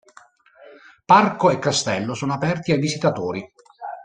Parco e castello sono aperti ai visitatori.